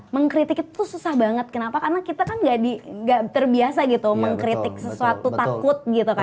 mengkritik itu susah banget kenapa karena kita kan gak terbiasa gitu mengkritik sesuatu takut gitu kan